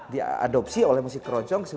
diadopsi oleh musik keroncong